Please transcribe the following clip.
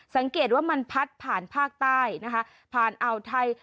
สังเกตว่ามันพัดผ่านภาคใต้นะคะผ่านอ่าวไทย